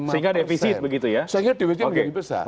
sehingga defisitnya menjadi besar